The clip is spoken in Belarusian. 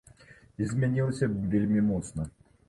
І змянілася б вельмі моцна.